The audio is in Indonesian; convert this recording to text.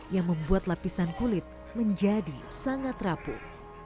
yang membuat lapisan kulit menjadi sangat rapuh